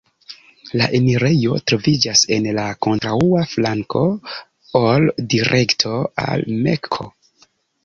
La enirejo troviĝas en la kontraŭa flanko ol direkto al Mekko.